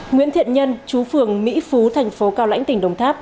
nguyễn thiện nhân chú phường mỹ phú thành phố cao lãnh tỉnh đồng tháp